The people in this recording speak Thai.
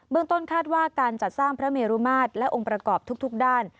เมืองต้นคาดว่าการจัดสร้างพระเมรุมาตรและองค์ประกอบทุกด้าน